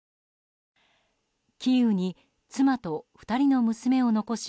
キーウに妻と２人の娘を残し